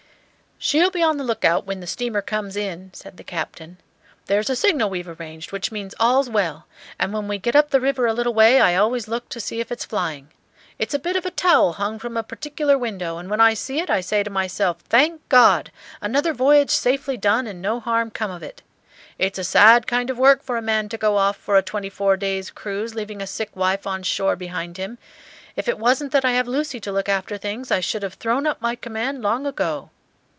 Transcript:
"She'll be on the lookout when the steamer comes in," said the Captain. "There's a signal we've arranged which means 'All's well,' and when we get up the river a little way I always look to see if it's flying. It's a bit of a towel hung from a particular window; and when I see it I say to myself, 'Thank God! another voyage safely done and no harm come of it.' It's a sad kind of work for a man to go off for a twenty four days' cruise leaving a sick wife on shore behind him. If it wasn't that I have Lucy to look after things, I should have thrown up my command long ago."